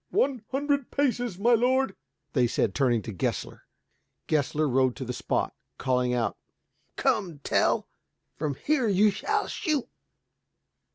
"One hundred paces, my lord," they said, turning to Gessler. Gessler rode to the spot, calling out, "Come, Tell, from here you shall shoot."